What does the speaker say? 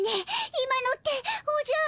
今のっておじゃる。